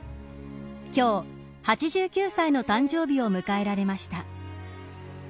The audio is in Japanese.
今日８９歳の誕生日を迎えられました。